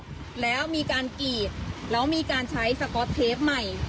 แล้วมีการกรีดแล้วมีการใช้สก๊อตเทปใหม่